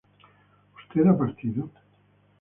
¿Usted ha partido?